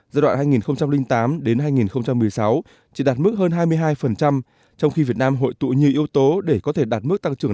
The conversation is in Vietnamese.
giai đoạn hai nghìn tám hai nghìn một mươi sáu chỉ đạt mức hơn hai mươi hai trong khi việt nam hội tụ như yếu tố để có thể đạt mức tăng trưởng